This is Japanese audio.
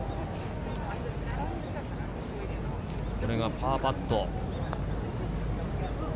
これがパーパット。